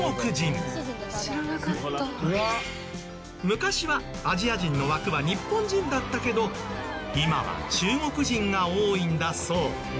昔はアジア人の枠は日本人だったけど今は中国人が多いんだそう。